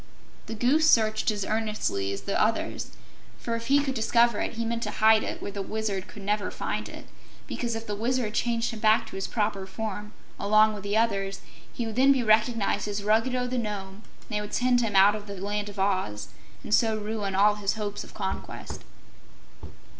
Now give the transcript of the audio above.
The Goose searched as earnestly as the others, for if he could discover it, he meant to hide it where the Wizard could never find it, because if the Wizard changed him back to his proper form, along with the others, he would then be recognized as Ruggedo the Nome, and they would send him out of the Land of Oz and so ruin all his hopes of conquest.